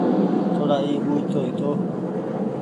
ٿوڙا اي ٻوجه تو هيتو